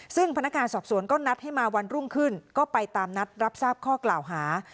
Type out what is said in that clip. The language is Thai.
ซึ่งพนักงานสอบสวนก็นัดให้มาวันรุ่งขึ้นก็ไปตามนัดรับทราบข้อกล่าวหา